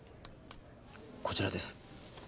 こちらです。